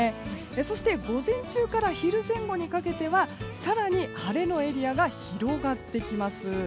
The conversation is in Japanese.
そして午前中から昼前後にかけて更に晴れのエリアが広がってきます。